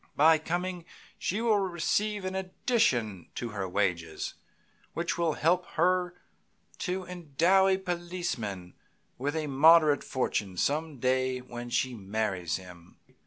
By coming she will receive an addition to her wages which will help her to endow a policeman with a moderate fortune some day when she marries him.